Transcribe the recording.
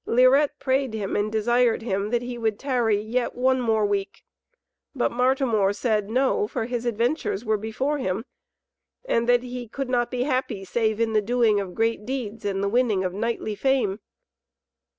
Lirette prayed him and desired him that he would tarry yet one week. But Martimor said, No! for his adventures were before him, and that he could not be happy save in the doing of great deeds and the winning of knightly fame.